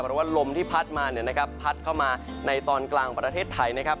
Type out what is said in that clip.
ลมที่พัดมาเนี่ยนะครับพัดเข้ามาในตอนกลางประเทศไทยนะครับ